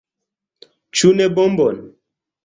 Ĉu ne bombon?